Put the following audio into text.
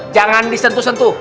jangan disentuh sentuh